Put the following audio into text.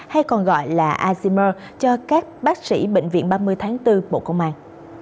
hay còn gọi là azimer cho các bác sĩ bệnh viện ba mươi tháng bốn bộ công an